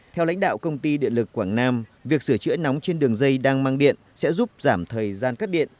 theo lãnh đạo công ty điện lực quảng nam việc sửa chữa nóng trên đường dây đang mang điện sẽ giúp giảm thời gian cắt điện